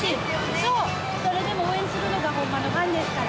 それでも応援するのがほんまのファンですから。